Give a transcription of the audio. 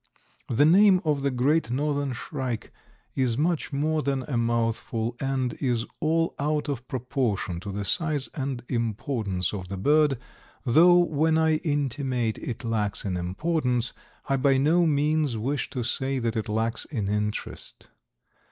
The name of the Great Northern Shrike is much more than a mouthful, and is all out of proportion to the size and importance of the bird, though when I intimate it lacks in importance I by no means wish to say that it lacks in interest.